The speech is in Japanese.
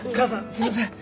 すいません。